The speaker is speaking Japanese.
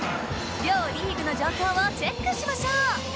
両リーグの状況をチェックしましょう。